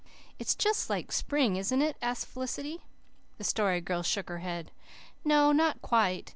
"It's just like spring, isn't it?" asked Felicity. The Story Girl shook her head. "No, not quite.